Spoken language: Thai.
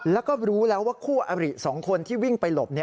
แล้วก็รู้แล้วว่าคู่อริ๒คนที่วิ่งไปหลบ